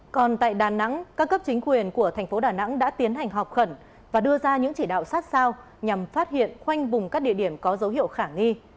còn tại đà nẵng các cấp chính quyền của thành phố đà nẵng đã tiến hành họp khẩn và đưa ra những chỉ đạo sát sao nhằm phát hiện khoanh vùng các địa điểm có dấu hiệu khả nghi